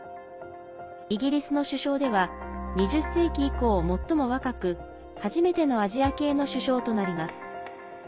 イギリスの首相では２０世紀以降、最も若く初めてのアジア系の首相となります。